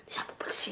kaya buku si